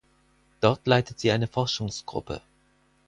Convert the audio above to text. Dort leitet sie eine Forschungsgruppe.